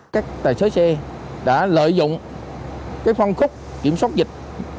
các tài xế xe đã lợi dụng phân khúc kiểm soát dịch